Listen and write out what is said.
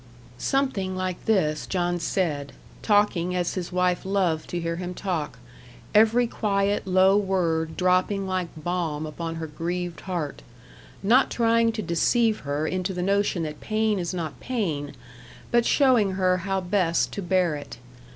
Something like this John said, talking as his wife loved to hear him talk every quiet, low word dropping like balm upon her grieved heart; not trying to deceive her into the notion that pain is not pain, but showing her how best to bear it.